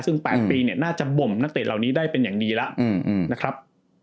ซึ่ง๘ปีเนี่ยน่าจะบ่มนักเตะเหล่านี้ได้เป็นอย่างดีแล้วนะครับ